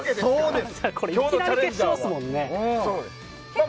いきなり決勝ですからね。